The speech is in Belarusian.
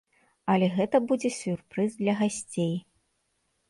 Але гэта будзе сюрпрыз для гасцей.